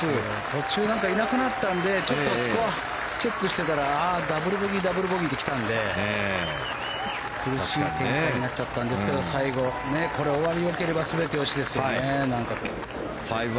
途中いなくなったのでちょっとスコアをチェックしてたらダブルボギー、ダブルボギーと来てたので苦しい展開になっちゃったんですけど最後、終わり良ければ全て良しですよね。